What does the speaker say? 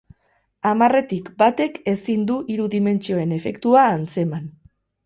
Hamarretik batek ezin du hiru dimentsioen efektua antzeman.